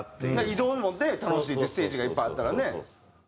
移動もね楽しいってステージがいっぱいあったらね。